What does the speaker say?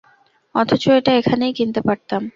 অথচ এটা এখানেই কিনতে পারতাম।